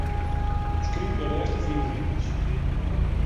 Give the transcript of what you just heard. Skriuw de lêste fiif rigels.